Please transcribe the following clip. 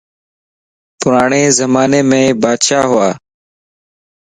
پراڙي زماني مَ بادشاهه ھُوا